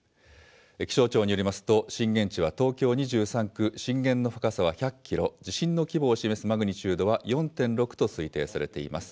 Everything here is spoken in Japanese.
気象庁によりますと、震源地は東京２３区、震源の深さは１００キロ、地震の規模を示すマグニチュードは４．６と推定されています。